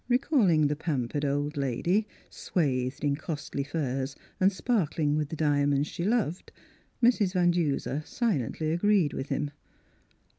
Recalling the pampered old lady, swathed in costly furs and sparkling with the diamonds she loved, Mrs. Van Duser silently agreed with him.